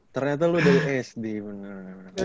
ternyata lu dari sd bener bener